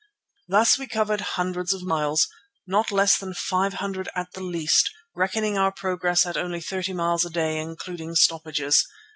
Thus we covered hundreds of miles, not less than five hundred at the least, reckoning our progress at only thirty miles a day, including stoppages.